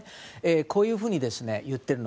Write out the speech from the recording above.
こういうふうに言っています。